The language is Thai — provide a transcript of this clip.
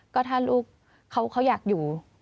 ก็ถ้าลูกเขาอยากอยู่